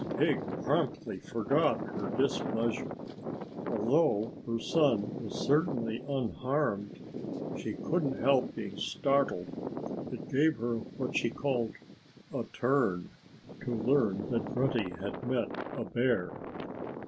Pig promptly forgot her displeasure. Although her son was certainly unharmed, she couldn't help being startled. It gave her what she called "a turn" to learn that Grunty had met a bear.